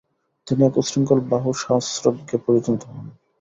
তিনি এক উচ্ছৃঙ্খল বহুশাস্ত্রজ্ঞে পরিণত হন।